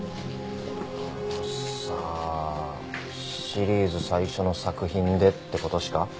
シリーズ最初の作品でって事しか。